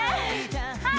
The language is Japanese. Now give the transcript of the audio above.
はい！